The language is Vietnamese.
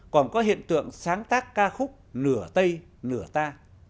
còn có hiện tượng sáng tác ca khúc nửa tây nửa ta